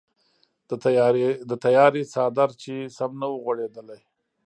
د تیارې څادر چې سم نه وغوړیدلی و.